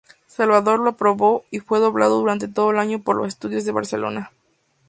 Salvador lo aprobó, y fue doblando durante todo año por los estudios de Barcelona.